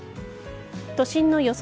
都心の予想